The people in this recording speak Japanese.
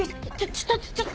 ちょっとちょっと！